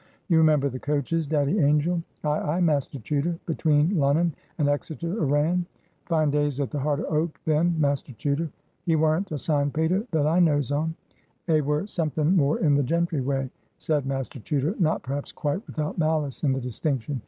You remember the coaches, Daddy Angel?" "Ay, ay, Master Chuter. Between Lonnon and Exeter a ran. Fine days at the Heart of Oak, then, Master Chuter." "He weren't a sign painter, that I knows on. A were somethin' more in the gentry way," said Master Chuter, not, perhaps, quite without malice in the distinction.